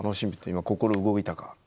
今、心動いたか？